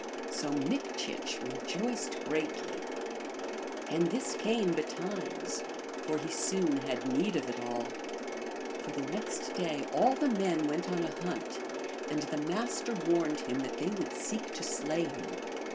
So Mikchich rejoiced greatly. And this came betimes, for he soon had need of it all. For the next day all the men went on a hunt, and the Master warned him that they would seek to slay him.